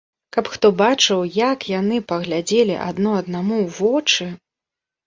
Каб хто бачыў, як яны паглядзелі адно аднаму ў вочы!